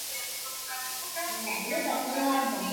Bali muluma kwa imbwa ya ba jirani